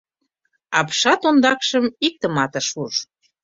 Апшат ондакшым иктымат ыш уж.